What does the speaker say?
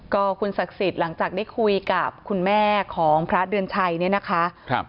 ก็คุณศักดิ์สิทธิ์หลังจากได้คุยกับคุณแม่ของพระเดือนชัยเนี่ยนะคะ